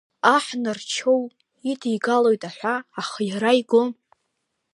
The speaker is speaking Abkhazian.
Аҳ Нарчоу идигалоит аҳәа, аха иара игом.